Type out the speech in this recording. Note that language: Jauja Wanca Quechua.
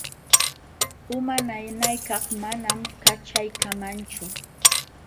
Uma nanaykaq manam kaćhaykamanchu.